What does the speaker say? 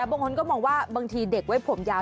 บางคนก็มองว่าบางทีเด็กไว้ผมยาว